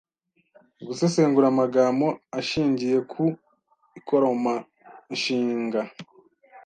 Gusesengura amagamo ashingiye ku ikomoranshinga